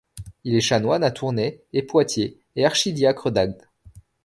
Il est chanoine à Tournai et Poitiers et archidiacre d'Agde.